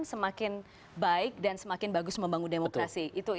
semakin baik dan semakin bagus membangun demokrasi